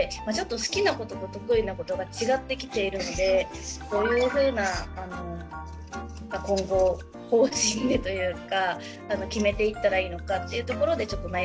好きなことと得意なことが違ってきているのでどういうふうな今後方針でというか決めていったらいいのかっていうところでちょっと悩んでいます。